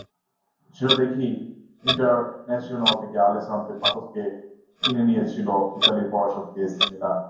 সেটা দেখেই ইন্টারন্যাসিওনাল থেকে আলেসান্দ্রে পাতোকে কিনে নিয়েছিল ইতালির পরাশক্তি এসি মিলান।